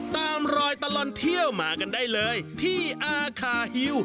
ตามรอยตลอดเที่ยวมากันได้เลยที่อาคาฮิว